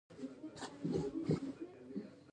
د سپرن په نامه د بند یو بل زیان هغه وخت پیدا کېږي.